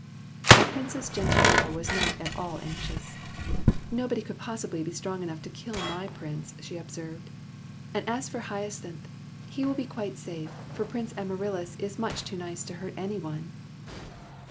The Princess Gentianella was not at all anxious. " Nobody could possibly be strong enough to kill my Prince," she observed ;'' and as for Hyacinth, he will be quite safe, for Prince Amaryllis is much too nice to hurt any one